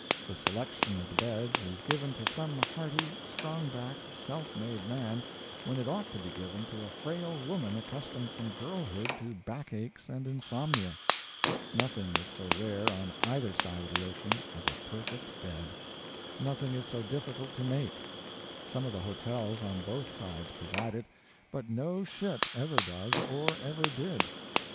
The selection of the beds is given to some hearty, strong backed, self made man, when it ought to be given to a frail woman accustomed from girlhood to backaches and insomnia. Nothing is so rare, on either side of the ocean, as a perfect bed; nothing is so difficult to make. Some of the hotels on both sides provide it, but no ship ever does or ever did.